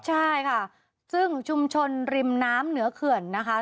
ใช่ค่ะซึ่งชุมชนริมน้ำเหนือเขื่อนนะคะ